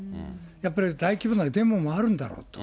やっぱり大規模なデモもあるんだろうと。